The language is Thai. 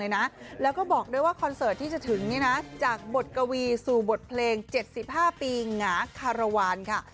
นางงาคาระวัลค่ะ